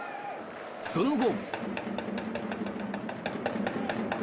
その後。